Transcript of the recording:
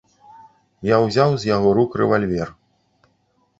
Я ўзяў з яго рук рэвальвер.